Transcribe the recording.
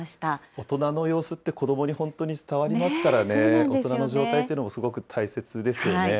大人の様子って、子どもに本当に伝わりますからね、大人の状態というのもすごく大切ですよね。